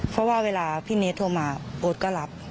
เพราะว่าเวลาพี่เนสโทรมาโอ๊ตก็รับ